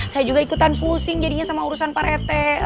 saya juga ikutan pusing jadinya sama urusan pak rete